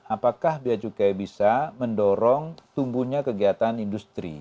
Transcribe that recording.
apakah bia cukai bisa mendorong tumbuhnya kegiatan industri